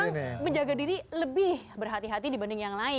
jadi harus memang menjaga diri lebih berhati hati dibanding yang lain